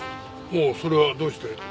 ほうそれはどうして？